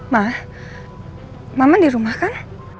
ma mama di rumah kan